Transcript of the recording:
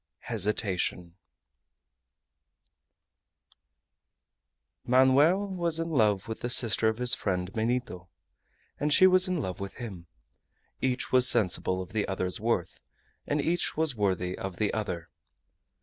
HESITATION Manoel was in love with the sister of his friend Benito, and she was in love with him. Each was sensible of the other's worth, and each was worthy of the other.